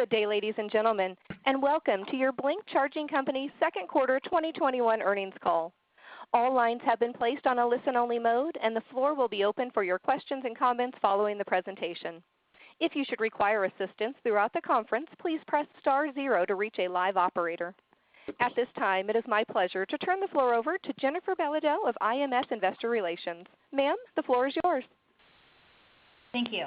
Good day, ladies and gentlemen, and welcome to your Blink Charging Company second quarter 2021 earnings call. All lines have been placed on a listen-only mode, and the floor will be open for your questions and comments following the presentation. If you should require assistance throughout the conference, please press star zero to reach a live operator. At this time, it is my pleasure to turn the floor over to Jennifer Belodeau of IMS Investor Relations. Ma'am, the floor is yours. Thank you.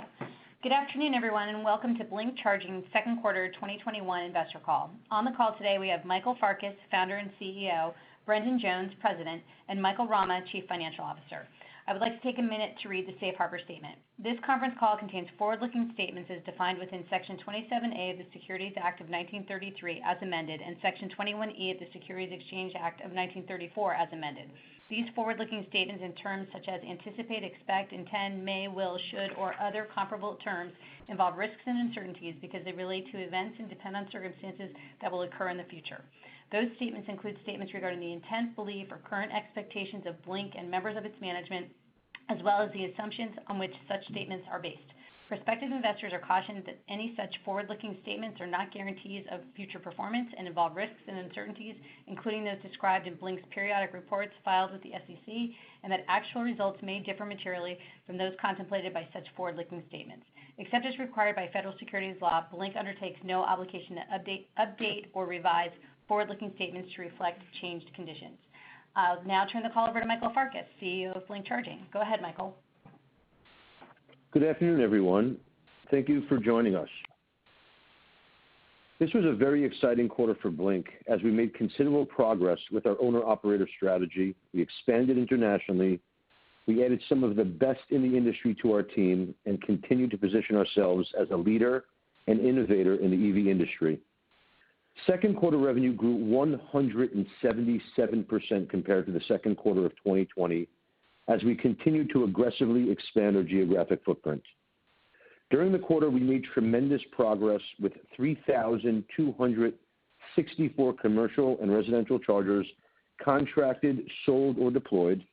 Good afternoon, everyone, and welcome to Blink Charging second quarter 2021 investor call. On the call today, we have Michael Farkas, Founder and CEO, Brendan Jones, President, and Michael Rama, Chief Financial Officer. I would like to take a minute to read the safe harbor statement. This conference call contains forward-looking statements as defined within Section 27A of the Securities Act of 1933, as amended, and Section 21E of the Securities Exchange Act of 1934, as amended. These forward-looking statements in terms such as anticipate, expect, intend, may, will, should, or other comparable terms, involve risks and uncertainties because they relate to events and depend on circumstances that will occur in the future. Those statements include statements regarding the intent, belief, or current expectations of Blink and members of its management, as well as the assumptions on which such statements are based. Prospective investors are cautioned that any such forward-looking statements are not guarantees of future performance and involve risks and uncertainties, including those described in Blink's periodic reports filed with the SEC, and that actual results may differ materially from those contemplated by such forward-looking statements. Except as required by federal securities law, Blink undertakes no obligation to update or revise forward-looking statements to reflect changed conditions. I'll now turn the call over to Michael Farkas, CEO of Blink Charging. Go ahead, Michael. Good afternoon, everyone. Thank you for joining us. This was a very exciting quarter for Blink. As we made considerable progress with our owner-operator strategy, we expanded internationally, we added some of the best in the industry to our team, and continue to position ourselves as a leader and innovator in the EV industry. Second quarter revenue grew 177% compared to the second quarter of 2020, as we continue to aggressively expand our geographic footprint. During the quarter, we made tremendous progress with 3,264 commercial and residential chargers contracted, sold, or deployed,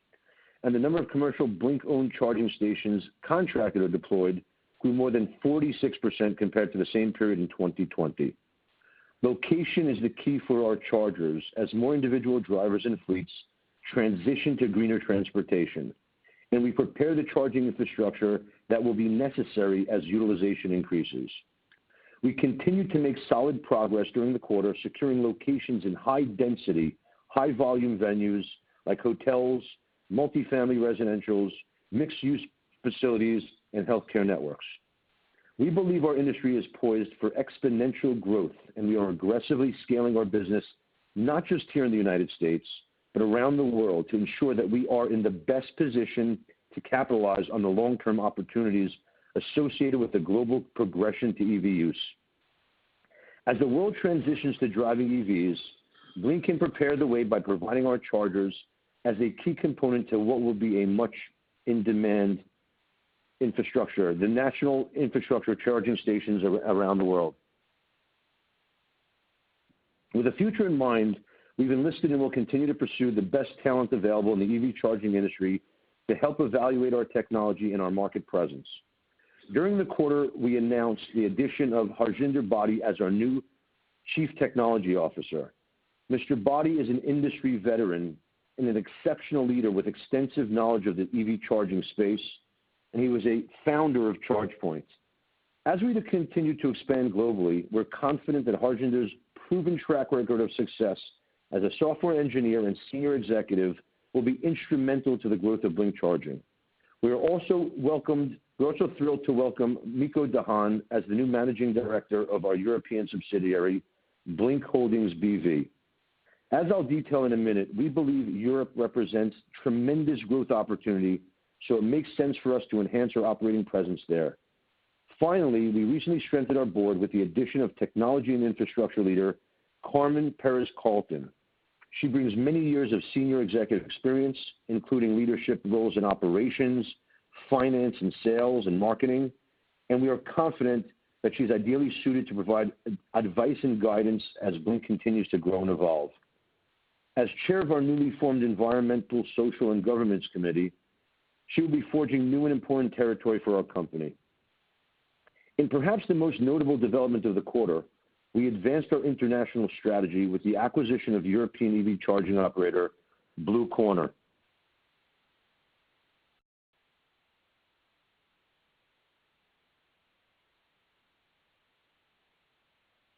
and the number of commercial Blink-owned charging stations contracted or deployed grew more than 46% compared to the same period in 2020. Location is the key for our chargers as more individual drivers and fleets transition to greener transportation, and we prepare the charging infrastructure that will be necessary as utilization increases. We continued to make solid progress during the quarter, securing locations in high density, high volume venues like hotels, multi-family residentials, mixed-use facilities, and healthcare networks. We believe our industry is poised for exponential growth, we are aggressively scaling our business, not just here in the United States, but around the world to ensure that we are in the best position to capitalize on the long-term opportunities associated with the global progression to EV use. As the world transitions to driving EVs, Blink can prepare the way by providing our chargers as a key component to what will be a much in-demand infrastructure, the national infrastructure charging stations around the world. With the future in mind, we've enlisted and will continue to pursue the best talent available in the EV charging industry to help evaluate our technology and our market presence. During the quarter, we announced the addition of Harjinder Bhade as our new Chief Technology Officer. Mr. Bhade is an industry veteran and an exceptional leader with extensive knowledge of the EV charging space. He was a founder of ChargePoint. As we continue to expand globally, we're confident that Harjinder's proven track record of success as a software engineer and senior executive will be instrumental to the growth of Blink Charging. We're also thrilled to welcome Miko de Haan as the new Managing Director of our European subsidiary, Blink Holdings B.V. As I'll detail in a minute, we believe Europe represents tremendous growth opportunity. It makes sense for us to enhance our operating presence there. Finally, we recently strengthened our board with the addition of technology and infrastructure leader, Carmen Perez-Carlton. She brings many years of senior executive experience, including leadership roles in operations, finance and sales, and marketing. We are confident that she's ideally suited to provide advice and guidance as Blink continues to grow and evolve. As Chair of our newly formed Environmental, Social, and Governance Committee, she will be forging new and important territory for our company. In perhaps the most notable development of the quarter, we advanced our international strategy with the acquisition of European EV charging operator, Blue Corner.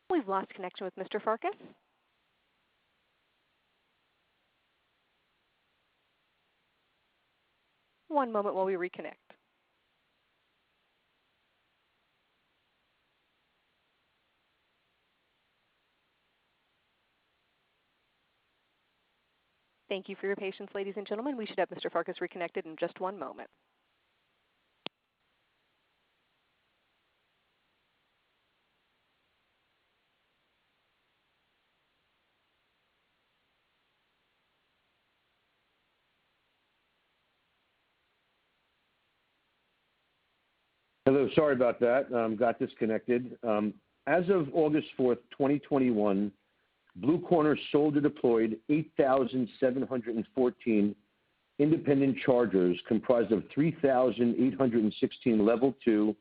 We've lost connection with Mr. Farkas. One moment while we reconnect. Thank you for your patience, ladies and gentlemen. We should have Mr. Farkas reconnected in just one moment. Hello. Sorry about that. Got disconnected. As of August 4, 2021, Blue Corner sold or deployed 8,714 independent chargers comprised of 3,816 Level 2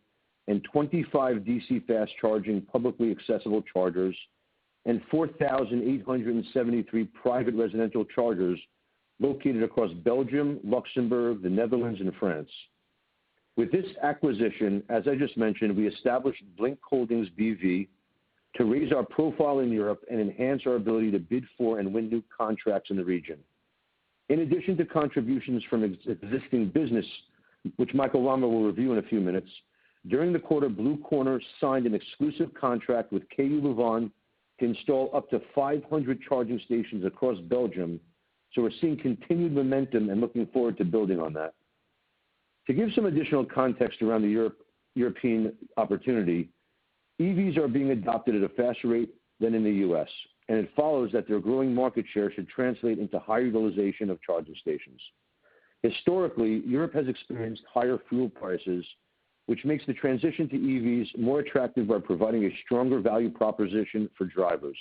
and 25 DC fast-charging publicly accessible chargers, and 4,873 private residential chargers located across Belgium, Luxembourg, the Netherlands, and France. With this acquisition, as I just mentioned, we established Blink Holdings B.V. to raise our profile in Europe and enhance our ability to bid for and win new contracts in the region. In addition to contributions from existing business, which Michael Rama will review in a few minutes, during the quarter, Blue Corner signed an exclusive contract with KU Leuven to install up to 500 charging stations across Belgium. We're seeing continued momentum and looking forward to building on that. To give some additional context around the European opportunity, EVs are being adopted at a faster rate than in the U.S., and it follows that their growing market share should translate into high utilization of charging stations. Historically, Europe has experienced higher fuel prices, which makes the transition to EVs more attractive by providing a stronger value proposition for drivers.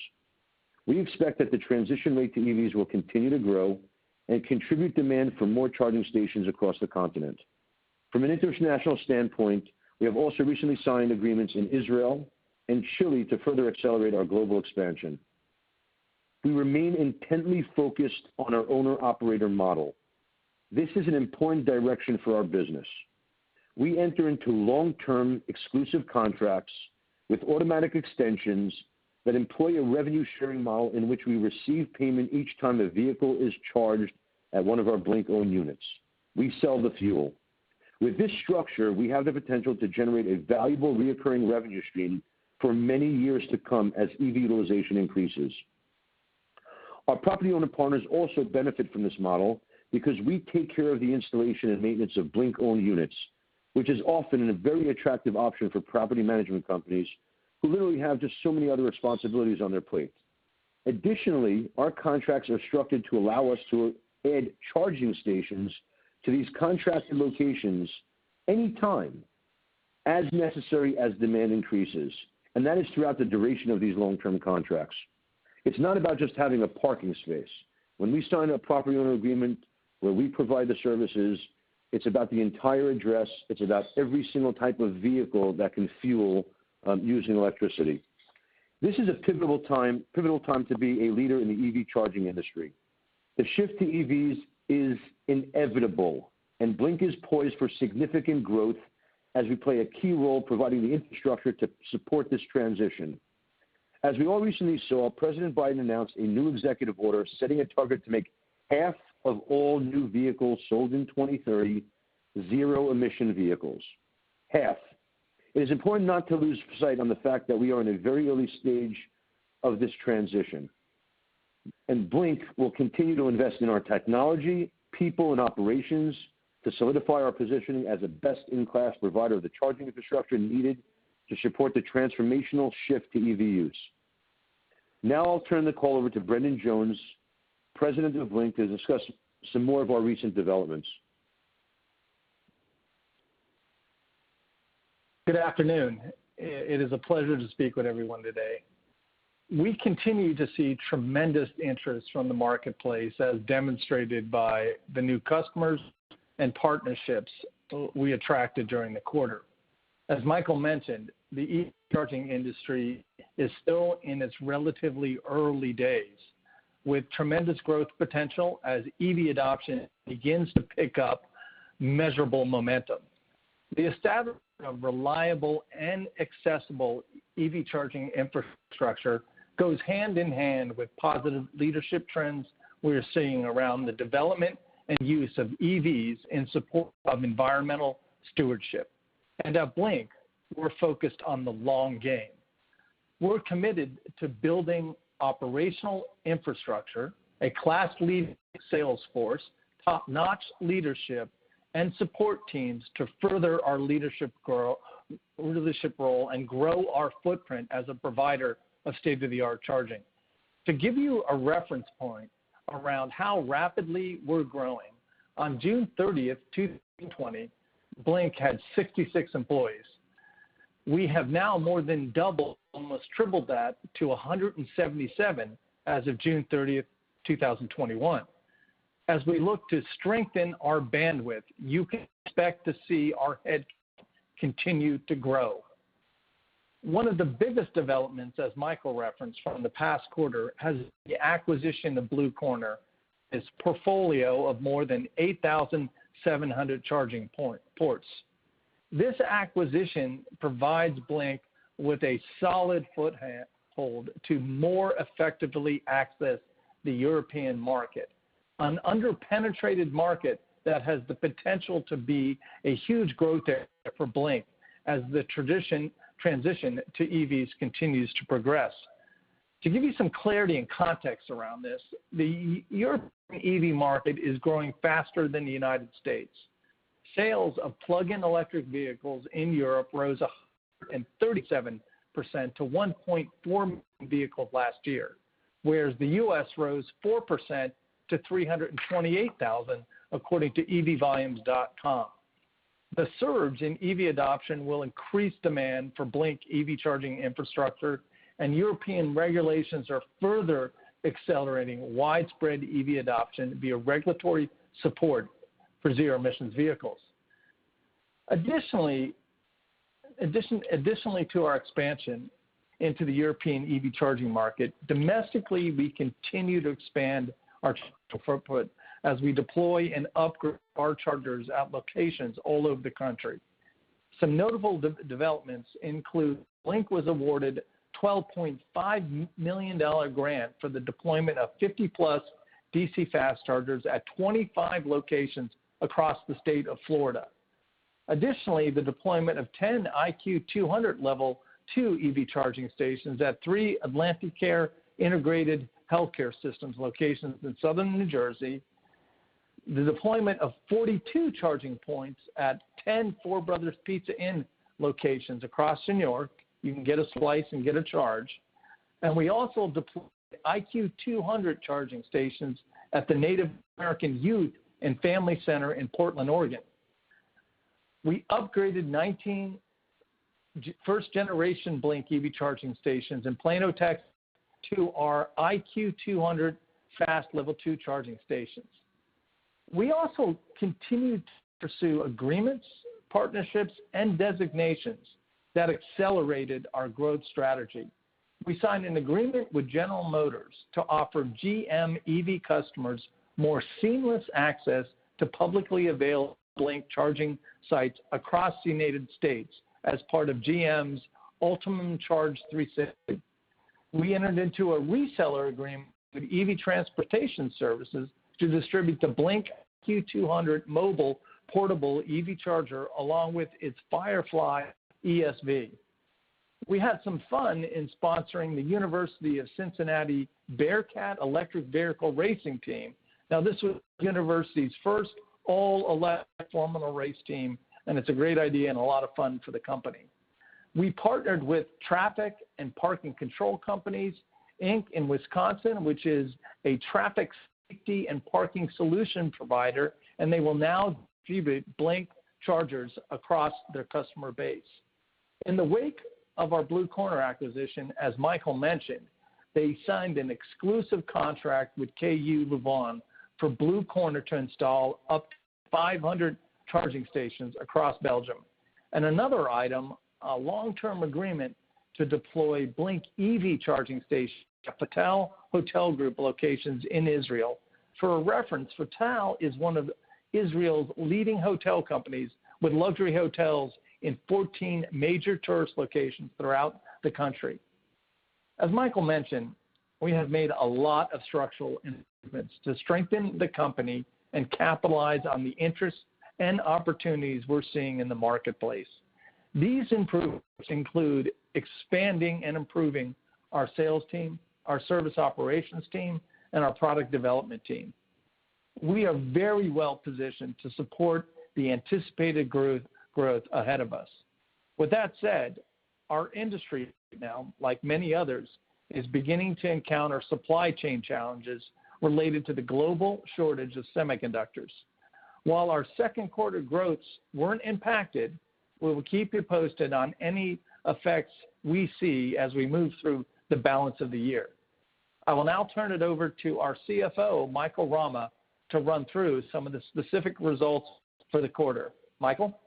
We expect that the transition rate to EVs will continue to grow and contribute demand for more charging stations across the continent. From an international standpoint, we have also recently signed agreements in Israel and Chile to further accelerate our global expansion. We remain intently focused on our owner-operator model. This is an important direction for our business. We enter into long-term exclusive contracts with automatic extensions that employ a revenue-sharing model in which we receive payment each time the vehicle is charged at one of our Blink-owned units. We sell the fuel. With this structure, we have the potential to generate a valuable recurring revenue stream for many years to come as EV utilization increases. Our property owner partners also benefit from this model because we take care of the installation and maintenance of Blink-owned units, which is often a very attractive option for property management companies who literally have just so many other responsibilities on their plate. Additionally, our contracts are structured to allow us to add charging stations to these contracted locations anytime as necessary as demand increases, and that is throughout the duration of these long-term contracts. It's not about just having a parking space. When we sign a property owner agreement where we provide the services, it's about the entire address. It's about every single type of vehicle that can fuel using electricity. This is a pivotal time to be a leader in the EV charging industry. The shift to EVs is inevitable, and Blink is poised for significant growth as we play a key role providing the infrastructure to support this transition. As we all recently saw, President Biden announced a new executive order setting a target to make half of all new vehicles sold in 2030 zero-emission vehicles. Half. It is important not to lose sight on the fact that we are in a very early stage of this transition, and Blink will continue to invest in our technology, people, and operations to solidify our positioning as a best-in-class provider of the charging infrastructure needed to support the transformational shift to EV use. I'll turn the call over to Brendan Jones, President of Blink, to discuss some more of our recent developments. Good afternoon. It is a pleasure to speak with everyone today. We continue to see tremendous interest from the marketplace, as demonstrated by the new customers and partnerships we attracted during the quarter. As Michael mentioned, the EV charging industry is still in its relatively early days, with tremendous growth potential as EV adoption begins to pick up measurable momentum. The establishment of reliable and accessible EV charging infrastructure goes hand in hand with positive leadership trends we are seeing around the development and use of EVs in support of environmental stewardship. At Blink, we're focused on the long game. We're committed to building operational infrastructure, a class-leading sales force, top-notch leadership, and support teams to further our leadership role and grow our footprint as a provider of state-of-the-art charging. To give you a reference point around how rapidly we're growing, on June 30th, 2020, Blink had 66 employees. We have now more than doubled, almost tripled that to 177 as of June 30th, 2021. As we look to strengthen our bandwidth, you can expect to see our headcount continue to grow. One of the biggest developments, as Michael referenced from the past quarter, has the acquisition of Blue Corner, its portfolio of more than 8,700 charging ports. This acquisition provides Blink with a solid foothold to more effectively access the European market, an under-penetrated market that has the potential to be a huge growth area for Blink as the transition to EVs continues to progress. To give you some clarity and context around this, the European EV market is growing faster than the United States. Sales of plug-in electric vehicles in Europe rose 137% to 1.4 million vehicles last year, whereas the U.S. rose 4% to 328,000, according to ev-volumes.com. The surge in EV adoption will increase demand for Blink EV charging infrastructure, and European regulations are further accelerating widespread EV adoption via regulatory support for zero-emission vehicles. Additionally, to our expansion into the European EV charging market, domestically, we continue to expand our footprint as we deploy and upgrade our chargers at locations all over the country. Some notable developments include Blink was awarded a $12.5 million grant for the deployment of 50+ DC fast chargers at 25 locations across the state of Florida. Additionally, the deployment of 10 IQ 200 Level 2 EV charging stations at three AtlantiCare integrated healthcare systems locations in Southern New Jersey, the deployment of 42 charging points at 10 Four Brothers Pizza Inn locations across New York. You can get a slice and get a charge. We also deployed IQ 200 charging stations at the Native American Youth and Family Center in Portland, Oregon. We upgraded 19 first-generation Blink EV charging stations in Plano, Texas, to our IQ 200 fast Level 2 charging stations. We also continued to pursue agreements, partnerships, and designations that accelerated our growth strategy. We signed an agreement with General Motors to offer GM EV customers more seamless access to publicly available Blink charging sites across the U.S. as part of GM's Ultium Charge 360. We entered into a reseller agreement with ev Transportation Services to distribute the Blink IQ 200 mobile portable EV charger, along with its FireFly ESV. We had some fun in sponsoring the University of Cincinnati Bearcat electric vehicle racing team. This was the university's first all-electric formula race team, and it's a great idea and a lot of fun for the company. We partnered with Traffic and Parking Control Co., Inc. in Wisconsin, which is a traffic safety and parking solution provider. They will now distribute Blink chargers across their customer base. In the wake of our Blue Corner acquisition, as Michael mentioned, they signed an exclusive contract with KU Leuven for Blue Corner to install up to 500 charging stations across Belgium. Another item, a long-term agreement to deploy Blink EV charging stations at Fattal Hotel Group locations in Israel. For a reference, Fattal is one of Israel's leading hotel companies, with luxury hotels in 14 major tourist locations throughout the country. As Michael mentioned, we have made a lot of structural improvements to strengthen the company and capitalize on the interest and opportunities we are seeing in the marketplace. These improvements include expanding and improving our sales team, our service operations team, and our product development team. We are very well positioned to support the anticipated growth ahead of us. With that said, our industry right now, like many others, is beginning to encounter supply chain challenges related to the global shortage of semiconductors. While our second quarter growths were not impacted, we will keep you posted on any effects we see as we move through the balance of the year. I will now turn it over to our CFO, Michael Rama, to run through some of the specific results for the quarter. Michael?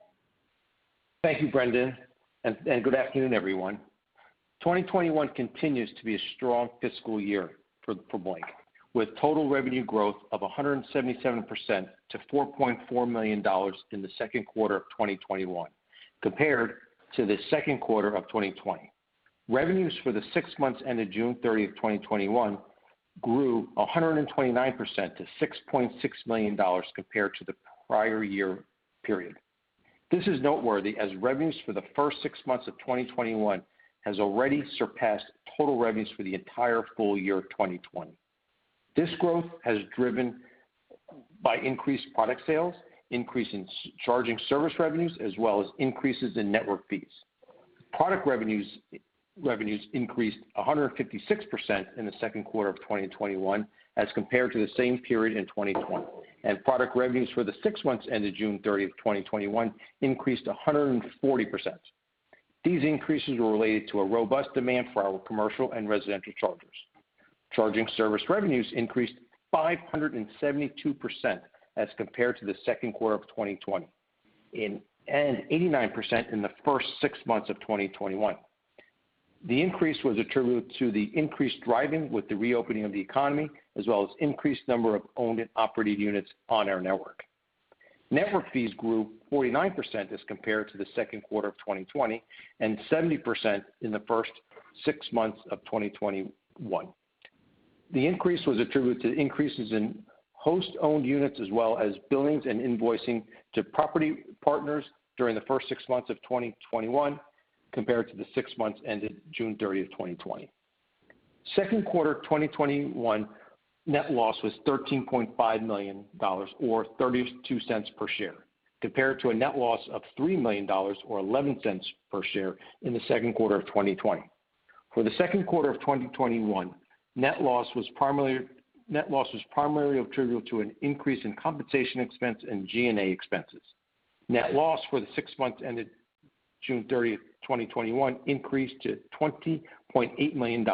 Thank you, Brendan, and good afternoon, everyone. 2021 continues to be a strong fiscal year for Blink, with total revenue growth of 177% to $4.4 million in the second quarter of 2021, compared to the second quarter of 2020. Revenues for the six months ended June 30th, 2021, grew 129% to $6.6 million compared to the prior year period. This is noteworthy as revenues for the first six months of 2021 have already surpassed total revenues for the entire full year of 2020. This growth has been driven by increased product sales, increasing charging service revenues, as well as increases in network fees. Product revenues increased 156% in the second quarter of 2021 as compared to the same period in 2020. Product revenues for the six months ended June 30th, 2021, increased 140%. These increases were related to a robust demand for our commercial and residential chargers. Charging service revenues increased 572% as compared to the second quarter of 2020, and 89% in the first six months of 2021. The increase was attributed to the increased driving with the reopening of the economy, as well as increased number of owned and operated units on our network. Network fees grew 49% as compared to the second quarter of 2020, and 70% in the first six months of 2021. The increase was attributed to increases in host-owned units as well as billings and invoicing to property partners during the first six months of 2021 compared to the six months ended June 30th, 2020. Second quarter 2021 net loss was $13.5 million, or $0.32 per share, compared to a net loss of $3 million, or $0.11 per share in the second quarter of 2020. For the second quarter 2021, net loss was primarily attributable to an increase in compensation expense and G&A expenses. Net loss for the six months ended June 30, 2021 increased to $20.8 million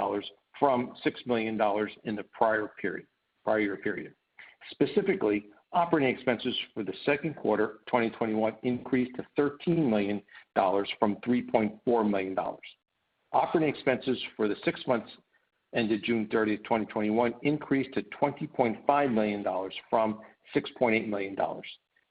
from $6 million in the prior year period. Specifically, operating expenses for the second quarter 2021 increased to $13 million from $3.4 million. Operating expenses for the six months ended June 30, 2021 increased to $20.5 million from $6.8 million.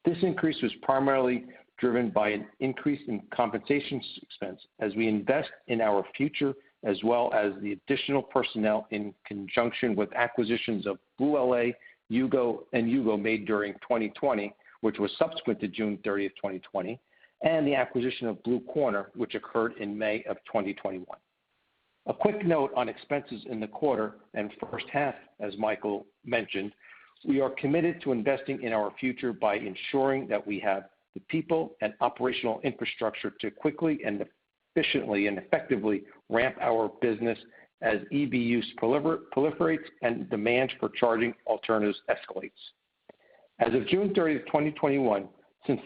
This increase was primarily driven by an increase in compensation expense as we invest in our future, as well as the additional personnel in conjunction with acquisitions of BlueLA and U-Go made during 2020, which was subsequent to June 30th, 2020, and the acquisition of Blue Corner, which occurred in May of 2021. A quick note on expenses in the quarter and first half, as Michael mentioned, we are committed to investing in our future by ensuring that we have the people and operational infrastructure to quickly and efficiently and effectively ramp our business as EV use proliferates and demand for charging alternatives escalates. As of June 30th, 2021, since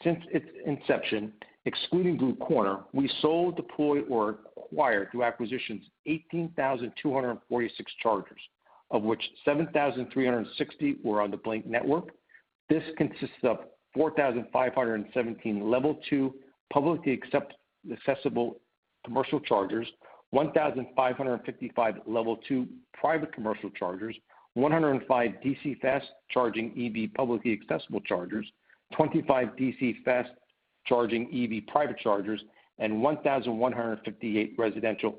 its inception, excluding Blue Corner, we sold, deployed, or acquired through acquisitions 18,246 chargers, of which 7,360 were on the Blink Network. This consists of 4,517 Level 2 publicly accessible commercial chargers, 1,555 Level 2 private commercial chargers, 105 DC fast-charging EV publicly accessible chargers, 25 DC fast-charging EV private chargers, and 1,158 residential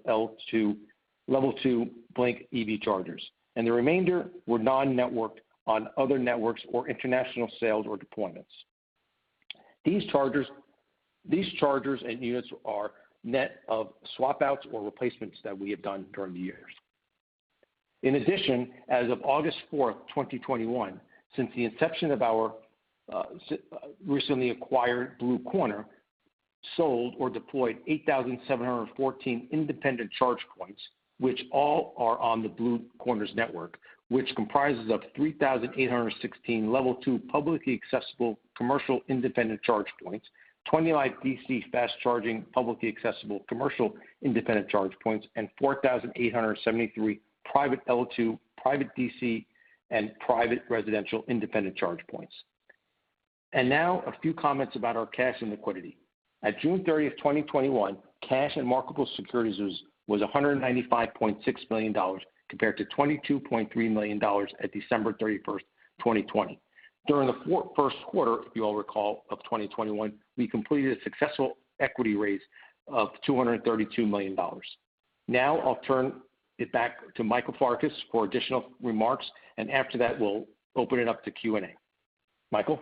Level 2 Blink EV chargers. The remainder were non-networked on other networks or international sales or deployments. These chargers and units are net of swap-outs or replacements that we have done during the years. In addition, as of August 4th, 2021, since the inception of our recently acquired Blue Corner, sold or deployed 8,714 independent charge points, which all are on the Blue Corner network, which comprises of 3,816 Level 2 publicly accessible commercial independent charge points, 25 DC fast-charging publicly accessible commercial independent charge points, and 4,873 private L2, private DC, and private residential independent charge points. Now a few comments about our cash and liquidity. At June 30th, 2021, cash and marketable securities was $195.6 million, compared to $22.3 million at December 31st, 2020. During the first quarter, if you all recall, of 2021, we completed a successful equity raise of $232 million. Now I'll turn it back to Michael Farkas for additional remarks, and after that, we'll open it up to Q&A. Michael?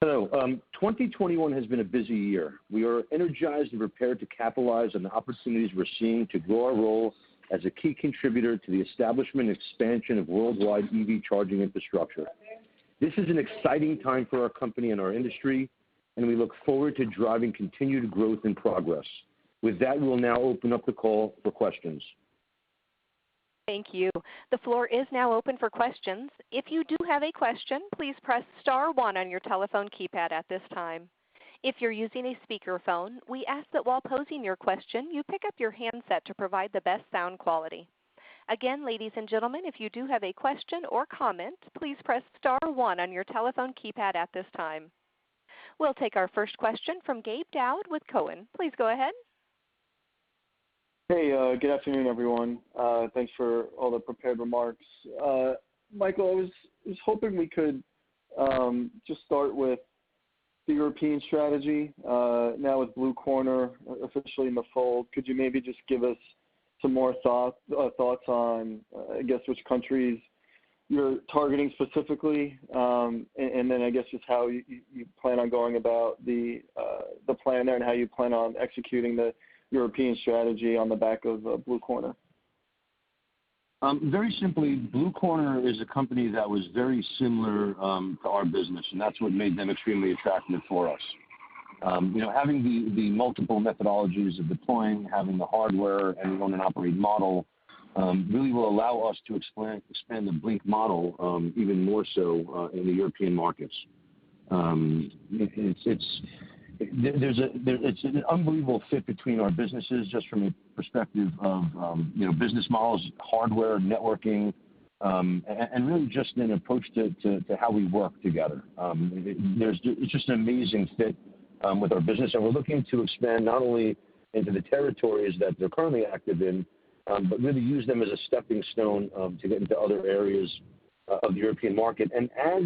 Hello. 2021 has been a busy year. We are energized and prepared to capitalize on the opportunities we're seeing to grow our role as a key contributor to the establishment expansion of worldwide EV charging infrastructure. This is an exciting time for our company and our industry, and we look forward to driving continued growth and progress. With that, we'll now open up the call for questions. Thank you. The floor is now open for questions. If you do have a question, please press star one on your telephone keypad at this time. If you're using a speakerphone, we ask that while posing your question, you pick up your handset to provide the best sound quality. Again, ladies and gentlemen, if you do have a question or comment, please press star one on your telephone keypad at this time. We'll take our first question from Gabe Daoud with Cowen. Please go ahead. Hey, good afternoon, everyone. Thanks for all the prepared remarks. Michael, I was hoping we could just start with the European strategy. Now with Blue Corner officially in the fold, could you maybe just give us some more thoughts on which countries you're targeting specifically? How you plan on going about the plan there and how you plan on executing the European strategy on the back of Blue Corner. Very simply, Blue Corner is a company that was very similar to our business, and that's what made them extremely attractive for us. Having the multiple methodologies of deploying, having the hardware, and own and operate model, really will allow us to expand the Blink model even more so in the European markets. It's an unbelievable fit between our businesses, just from a perspective of business models, hardware, networking, and really just an approach to how we work together. It's just an amazing fit with our business, and we're looking to expand not only into the territories that they're currently active in, but really use them as a stepping stone to get into other areas of the European market. As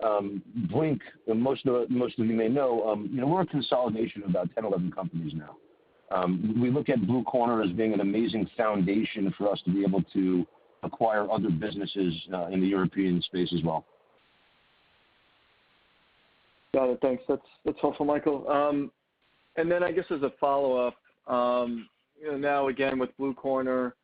Blink, most of you may know, we're a consolidation of about 10, 11 companies now. We look at Blue Corner as being an amazing foundation for us to be able to acquire other businesses in the European space as well. Got it. Thanks. That's helpful, Michael. Then I guess as a follow-up, now again, with Blue Corner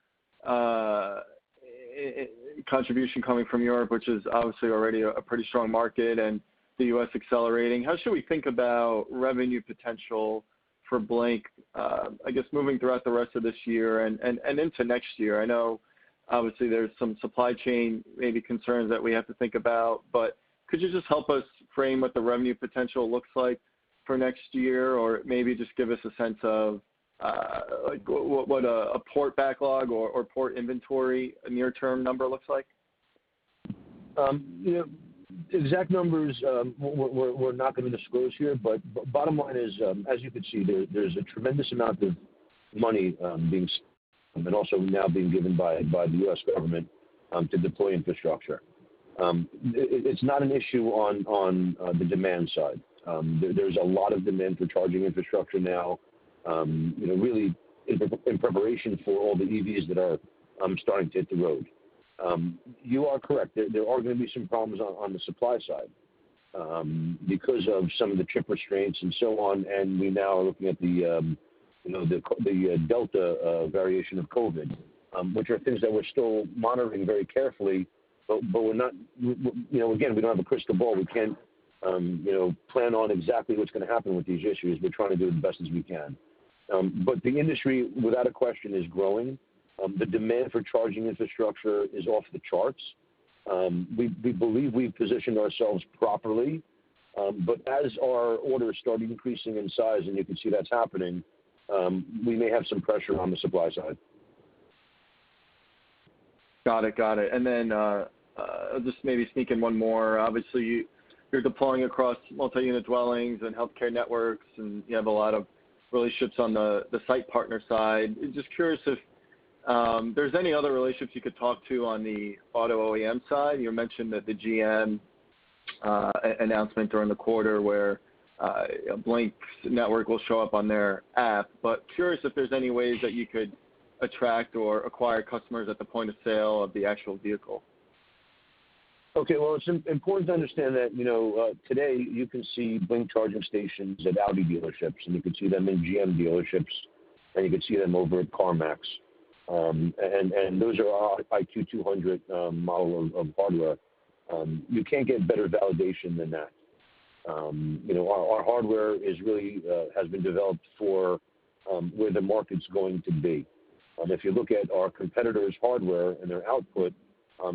contribution coming from Europe, which is obviously already a pretty strong market, and the U.S. accelerating. How should we think about revenue potential for Blink, I guess moving throughout the rest of this year and into next year? I know obviously there's some supply chain maybe concerns that we have to think about, but could you just help us frame what the revenue potential looks like for next year? Or maybe just give us a sense of what a port backlog or port inventory near term number looks like. Exact numbers we're not going to disclose here. Bottom line is, as you can see, there's a tremendous amount of money being spent and also now being given by the U.S. government to deploy infrastructure. It's not an issue on the demand side. There's a lot of demand for charging infrastructure now, really in preparation for all the EVs that are starting to hit the road. You are correct, there are going to be some problems on the supply side because of some of the chip restraints and so on. We now are looking at the Delta variant of COVID, which are things that we're still monitoring very carefully. Again, we don't have a crystal ball. We can't plan on exactly what's going to happen with these issues. We're trying to do the best as we can. The industry, without a question, is growing. The demand for charging infrastructure is off the charts. We believe we've positioned ourselves properly. As our orders start increasing in size, and you can see that's happening, we may have some pressure on the supply side. Got it. I'll just maybe sneak in one more. Obviously, you're deploying across multi-unit dwellings and healthcare networks, and you have a lot of relationships on the site partner side. Just curious if there's any other relationships you could talk to on the auto OEM side. You mentioned that the GM announcement during the quarter where Blink's network will show up on their app. Curious if there's any ways that you could attract or acquire customers at the point of sale of the actual vehicle. Okay, well, it's important to understand that today you can see Blink charging stations at Audi dealerships, and you can see them in GM dealerships, and you can see them over at CarMax. Those are our IQ 200 model of hardware. You can't get better validation than that. Our hardware really has been developed for where the market's going to be. If you look at our competitor's hardware and their output,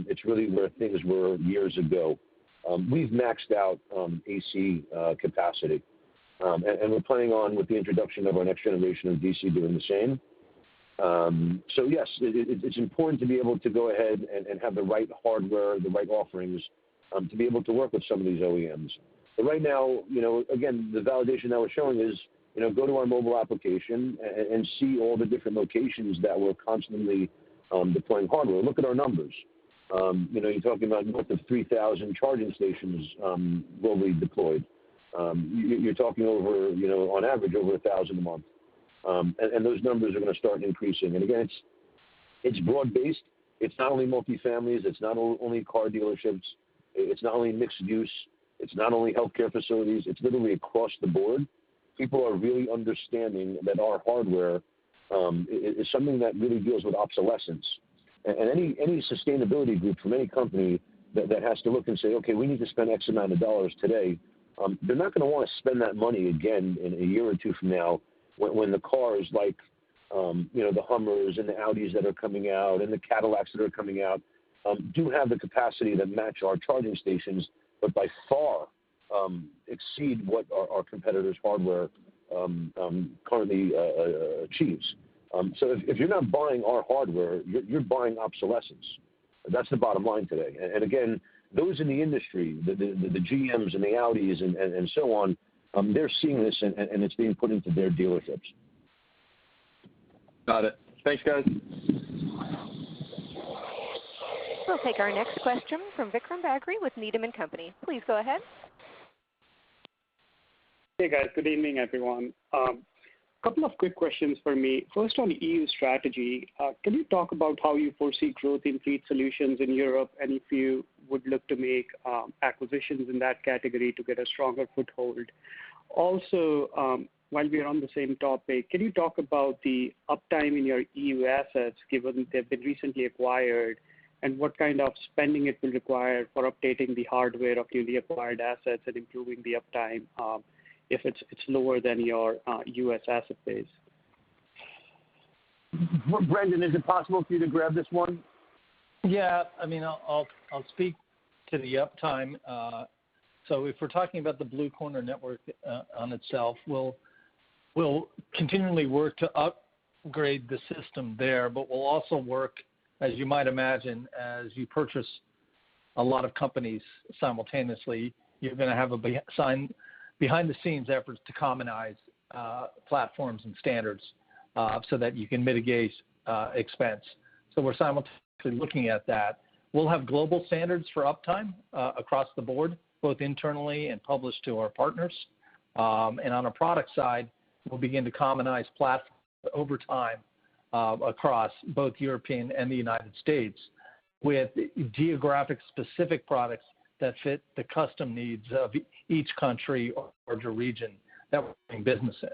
it's really where things were years ago. We've maxed out AC capacity, and we're planning on with the introduction of our next generation of DC doing the same. Yes, it's important to be able to go ahead and have the right hardware, the right offerings to be able to work with some of these OEMs. Right now, again, the validation that we're showing is go to our mobile application and see all the different locations that we're constantly deploying hardware. Look at our numbers. You're talking about north of 3,000 charging stations globally deployed. You're talking over on average over 1,000 a month. Those numbers are going to start increasing. Again, it's broad based. It's not only multi-families, it's not only car dealerships, it's not only mixed use, it's not only healthcare facilities, it's literally across the board. People are really understanding that our hardware is something that really deals with obsolescence. Any sustainability group from any company that has to look and say, "Okay, we need to spend X amount of dollars today," they're not going to want to spend that money again in a year or two from now when the cars like the Hummers and the Audis that are coming out and the Cadillacs that are coming out do have the capacity to match our charging stations, but by far exceed what our competitor's hardware currently achieves. If you're not buying our hardware, you're buying obsolescence. That's the bottom line today. Again, those in the industry, the GMs and the Audis and so on, they're seeing this and it's being put into their dealerships. Got it. Thanks, guys. We'll take our next question from Vikram Bagri with Needham & Company. Please go ahead. Hey, guys. Good evening, everyone. Couple of quick questions for me. First, on EU strategy, can you talk about how you foresee growth in fleet solutions in Europe and if you would look to make acquisitions in that category to get a stronger foothold? While we are on the same topic, can you talk about the uptime in your EU assets, given they've been recently acquired, and what kind of spending it will require for updating the hardware of the acquired assets and improving the uptime, if it's lower than your U.S. asset base? Brendan, is it possible for you to grab this one? I'll speak to the uptime. If we're talking about the Blue Corner network on itself, we'll continually work to upgrade the system there, but we'll also work, as you might imagine, as you purchase a lot of companies simultaneously, you're going to have behind-the-scenes efforts to commonize platforms and standards so that you can mitigate expense. We're simultaneously looking at that. We'll have global standards for uptime across the board, both internally and published to our partners. On a product side, we'll begin to commonize platforms over time across both European and the United States with geographic specific products that fit the custom needs of each country or larger region that we're doing business in.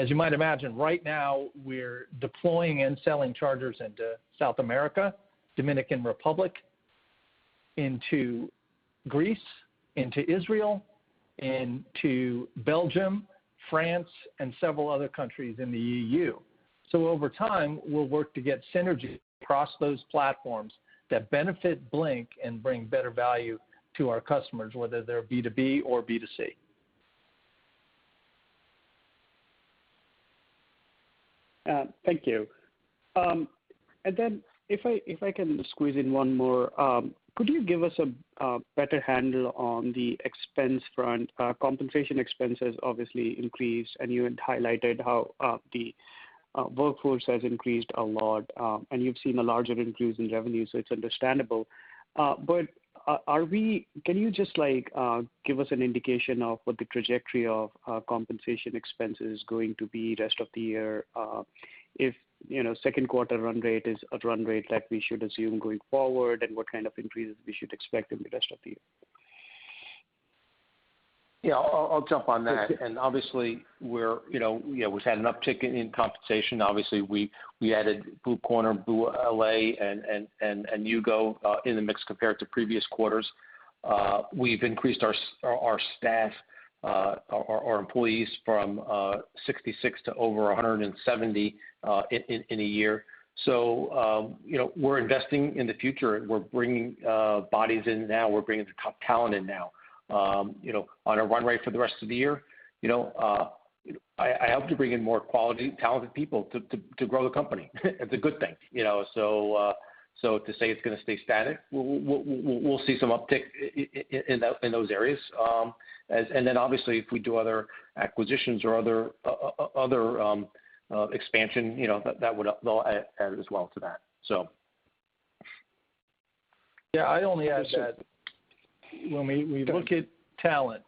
As you might imagine, right now we're deploying and selling chargers into South America, Dominican Republic, into Greece, into Israel, into Belgium, France, and several other countries in the EU. Over time, we'll work to get synergy across those platforms that benefit Blink and bring better value to our customers, whether they're B2B or B2C. Thank you. If I can squeeze in one more. Could you give us a better handle on the expense front? Compensation expenses obviously increased, and you had highlighted how the workforce has increased a lot. You've seen a larger increase in revenue, so it's understandable. Can you just give us an indication of what the trajectory of compensation expenses going to be rest of the year? If second quarter run rate is at run rate that we should assume going forward, and what kind of increases we should expect in the rest of the year? Yeah, I'll jump on that. Obviously, we've had an uptick in compensation. We added Blue Corner, BlueLA, and U-Go in the mix compared to previous quarters. We've increased our staff, our employees from 66 to over 170 in a year. We're investing in the future. We're bringing bodies in now, we're bringing the top talent in now. On a run rate for the rest of the year, I hope to bring in more quality, talented people to grow the company. It's a good thing. So to say it's going to stay static, we'll see some uptick in those areas. Obviously if we do other acquisitions or other expansion, that they'll add as well to that. I only add that when we look at talent,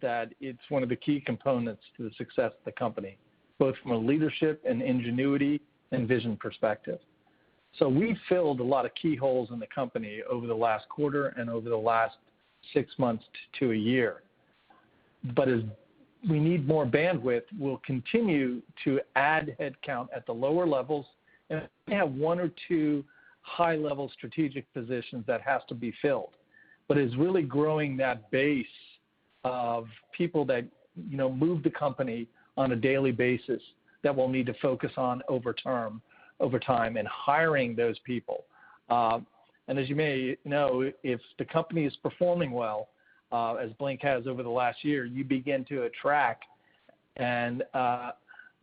that it's one of the key components to the success of the company, both from a leadership and ingenuity and vision perspective. We've filled a lot of key holes in the company over the last quarter and over the last six months to a year. As we need more bandwidth, we'll continue to add headcount at the lower levels, and we have one or two high-level strategic positions that have to be filled. It's really growing that base of people that move the company on a daily basis that we'll need to focus on over time and hiring those people. As you may know, if the company is performing well, as Blink has over the last year, you begin to attract and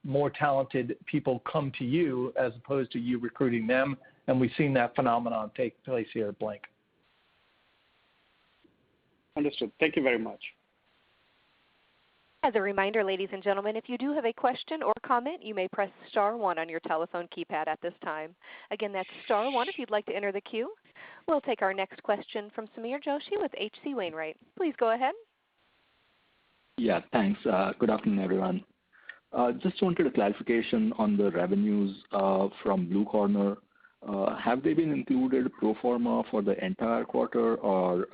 more talented people come to you as opposed to you recruiting them. We've seen that phenomenon take place here at Blink. Understood. Thank you very much. As a reminder, ladies and gentlemen, if you do have a question or comment, you may press star one on your telephone keypad at this time. Again, that's star one if you'd like to enter the queue. We'll take our next question from Sameer Joshi with H.C. Wainwright. Please go ahead. Yeah, thanks. Good afternoon, everyone. Just wanted a clarification on the revenues from Blue Corner. Have they been included pro forma for the entire quarter or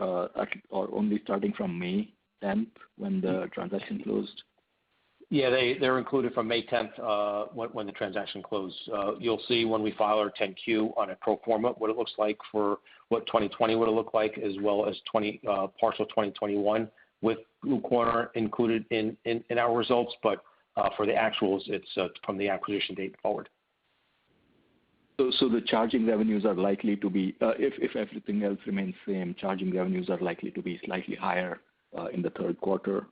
only starting from May 10th when the transaction closed? Yeah, they're included from May 10th, when the transaction closed. You'll see when we file our 10-Q on a pro forma, what it looks like for what 2020 would've looked like, as well as partial 2021 with Blue Corner included in our results. For the actuals, it's from the acquisition date forward. The charging revenues are likely to be, if everything else remains same, charging revenues are likely to be slightly higher in the third quarter?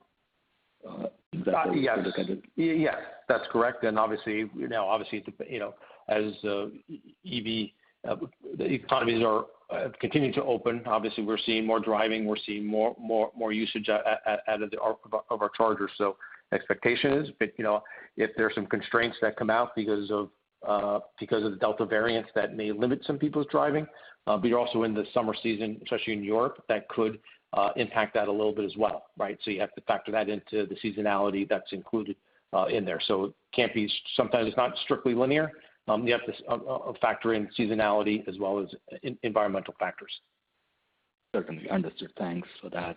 Is that how you look at it? Yes. That's correct. Obviously, the economies are continuing to open. Obviously, we're seeing more driving, we're seeing more usage out of our chargers. Expectation is, if there are some constraints that come out because of the Delta variants, that may limit some people's driving. You're also in the summer season, especially in New York, that could impact that a little bit as well, right? You have to factor that into the seasonality that's included in there. Sometimes it's not strictly linear. You have to factor in seasonality as well as environmental factors. Certainly. Understood. Thanks for that.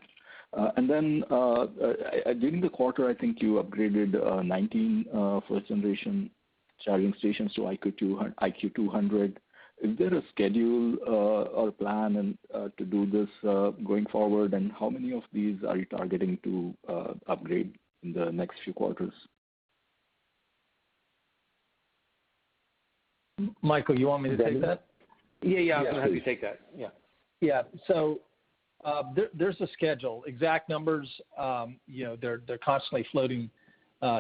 During the quarter, I think you upgraded 19 first-generation charging stations to IQ 200. Is there a schedule or plan to do this going forward, and how many of these are you targeting to upgrade in the next few quarters? Michael, you want me to take that? Yeah, I'll have you take that. Yeah. Yeah. There is a schedule. Exact numbers, they are constantly floating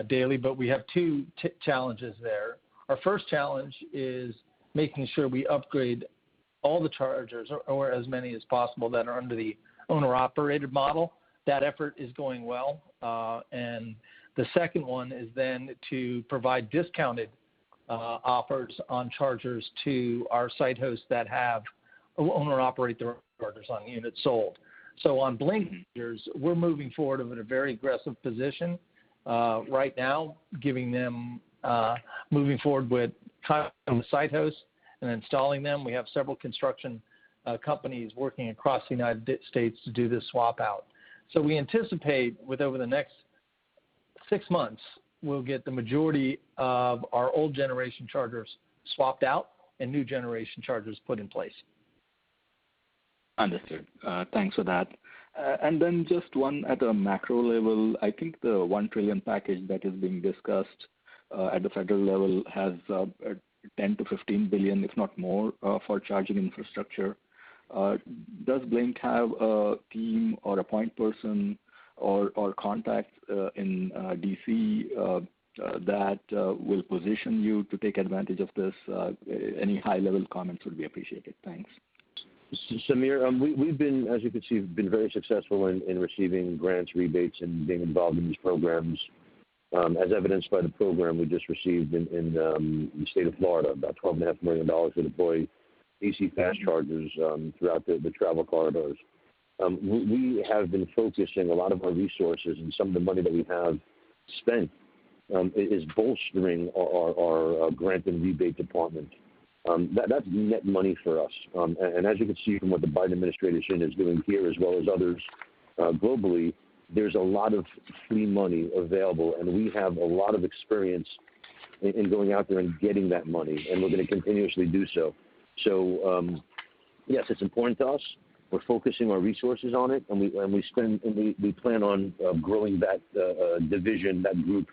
daily, but we have two challenges there. Our first challenge is making sure we upgrade all the chargers or as many as possible that are under the owner-operated model. That effort is going well. The second one is then to provide discounted offers on chargers to our site hosts that have owner-operate their chargers on units sold. On Blink, we are moving forward with a very aggressive position. Right now, moving forward with site hosts and installing them. We have several construction companies working across the U.S. to do this swap out. We anticipate with over the next six months, we will get the majority of our old generation chargers swapped out and new generation chargers put in place. Understood. Thanks for that. Then just one at a macro level, I think the $1 trillion package that is being discussed at the federal level has $10 billion-$15 billion, if not more, for charging infrastructure. Does Blink have a team or a point person or contacts in D.C. that will position you to take advantage of this? Any high-level comments would be appreciated. Thanks. Sameer, we've been, as you can see, very successful in receiving grants, rebates, and being involved in these programs, as evidenced by the program we just received in the state of Florida, about $12.5 million to deploy AC fast chargers throughout the travel corridors. Some of the money that we have spent is bolstering our grant and rebate department. That's net money for us. As you can see from what the Biden administration is doing here as well as others globally, there's a lot of free money available, and we have a lot of experience in going out there and getting that money, and we're going to continuously do so. Yes, it's important to us. We're focusing our resources on it, and we plan on growing that division, that group,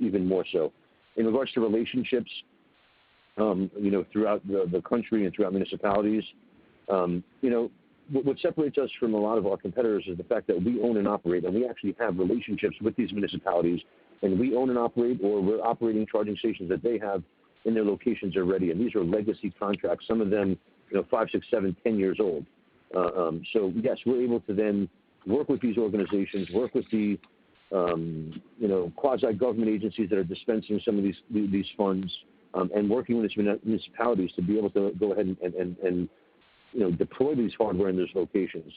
even more so. In regards to relationships throughout the country and throughout municipalities, what separates us from a lot of our competitors is the fact that we own and operate, and we actually have relationships with these municipalities, and we own and operate or we're operating charging stations that they have in their locations already. These are legacy contracts, some of them five, six, seven, 10 years old. Yes, we're able to then work with these organizations, work with the quasi-government agencies that are dispensing some of these funds and working with these municipalities to be able to go ahead and deploy this hardware in those locations.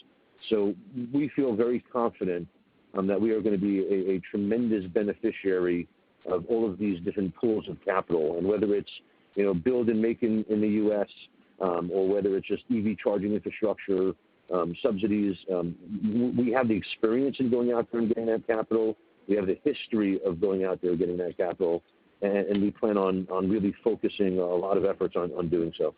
We feel very confident that we are going to be a tremendous beneficiary of all of these different pools of capital, and whether it's build and make in the U.S., or whether it's just EV charging infrastructure subsidies, we have the experience in going out there and getting that capital. We have the history of going out there and getting that capital. We plan on really focusing a lot of efforts on doing so.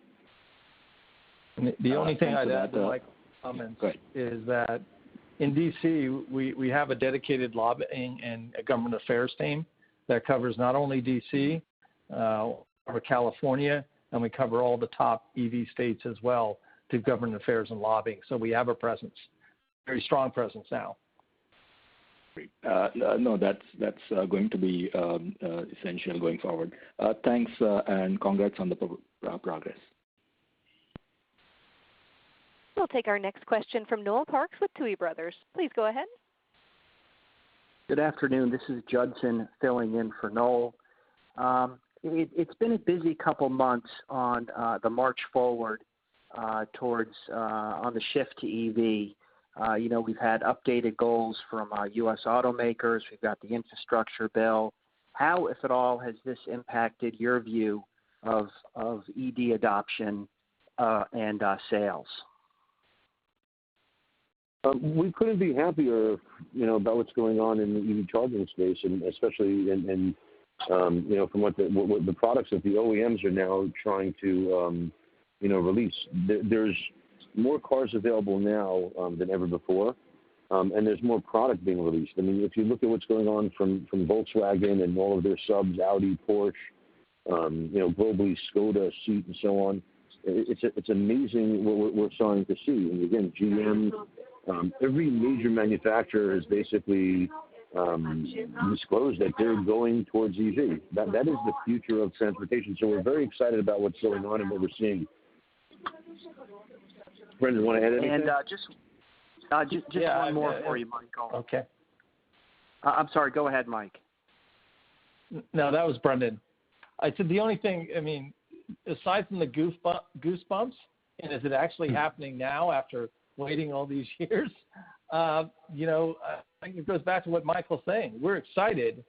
The only thing I'd add to Michael's comments– Go ahead. ...is that in D.C., we have a dedicated lobbying and a government affairs team that covers not only D.C., but California, and we cover all the top EV states as well through government affairs and lobbying. We have a presence, very strong presence now. Great. That's going to be essential going forward. Thanks, and congrats on the progress. We'll take our next question from Noel Parks with Tuohy Brothers. Please go ahead. Good afternoon. This is Judson filling in for Noel. It's been a busy couple of months on the march forward on the shift to EV. We've had updated goals from our U.S. automakers. We've got the infrastructure bill. How, if at all, has this impacted your view of EV adoption and sales? We couldn't be happier about what's going on in the EV charging space and especially from what the products that the OEMs are now trying to release. There's more cars available now than ever before, and there's more product being released. If you look at what's going on from Volkswagen and all of their subs, Audi, Porsche, globally, Škoda, SEAT, and so on, it's amazing what we're starting to see. Again, GM, every major manufacturer has basically disclosed that they're going towards EV. That is the future of transportation. We're very excited about what's going on and what we're seeing. Brendan, you want to add anything? Just one more for you, Michael. Okay. I'm sorry. Go ahead, Mike. No, that was Brendan. The only thing, aside from the goosebumps, and is it actually happening now after waiting all these years, I think it goes back to what Michael's saying. We're excited.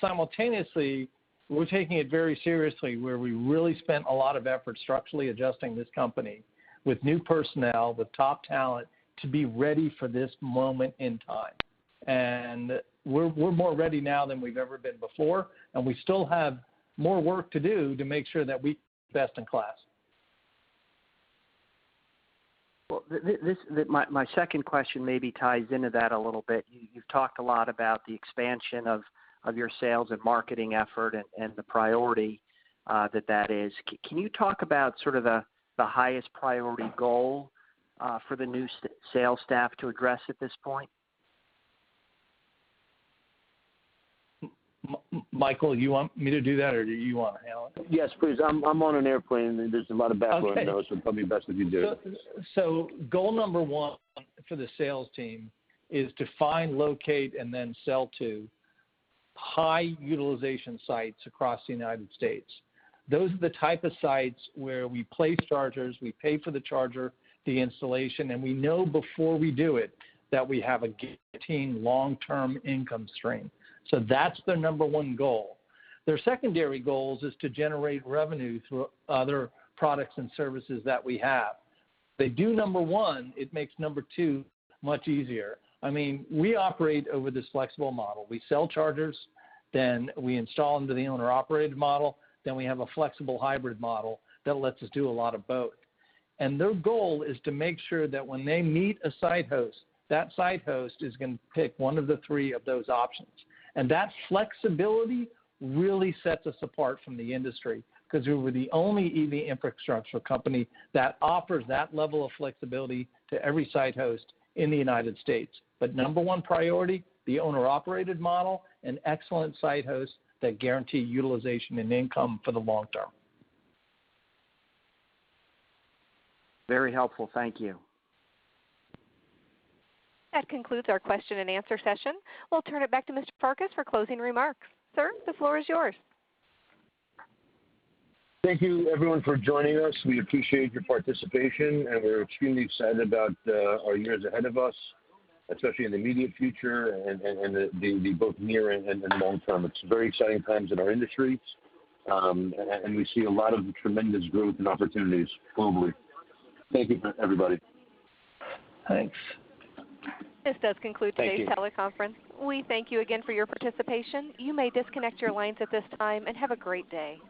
Simultaneously, we're taking it very seriously, where we really spent a lot of effort structurally adjusting this company with new personnel, with top talent to be ready for this moment in time. We're more ready now than we've ever been before, and we still have more work to do to make sure that we're best in class. Well, my second question maybe ties into that a little bit. You've talked a lot about the expansion of your sales and marketing effort and the priority that that is. Can you talk about the highest priority goal for the new sales staff to address at this point? Michael, you want me to do that, or do you want to handle it? Yes, please. I'm on an airplane, and there's a lot of background noise. Okay Probably best if you do it. Goal number one for the sales team is to find, locate, and then sell to high utilization sites across the United States. Those are the type of sites where we place chargers, we pay for the charger, the installation, and we know before we do it that we have a guaranteed long-term income stream. That's their number one goal. Their secondary goal is to generate revenue through other products and services that we have. If they do number one, it makes number two much easier. We operate over this flexible model. We sell chargers, then we install them to the owner operated model, then we have a flexible hybrid model that lets us do a lot of both. Their goal is to make sure that when they meet a site host, that site host is going to pick one of the three of those options. That flexibility really sets us apart from the industry because we're the only EV infrastructure company that offers that level of flexibility to every site host in the United States. Number one priority, the owner operated model, and excellent site hosts that guarantee utilization and income for the long term. Very helpful. Thank you. That concludes our question and answer session. We'll turn it back to Mr. Farkas for closing remarks. Sir, the floor is yours. Thank you everyone for joining us. We appreciate your participation, and we're extremely excited about our years ahead of us, especially in the immediate future and the both near and the long term. It's very exciting times in our industry, and we see a lot of tremendous growth and opportunities globally. Thank you, everybody. Thanks. This does conclude today's teleconference. Thank you. We thank you again for your participation. You may disconnect your lines at this time, and have a great day.